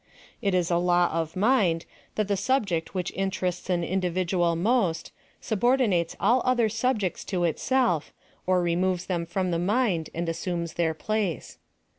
It is a law of mind, that the subje'it which interests an individual most, subordinates all other sobjects to itself, or removes them from the mind and assumes their place.